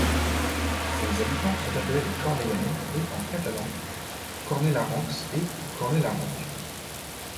Ses habitants sont appelés les Corneillanais et, en catalan, Cornellarencs et Cornellarenques.